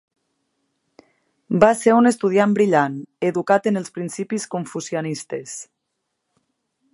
Va ser un estudiant brillat, educat en els principis confucianistes.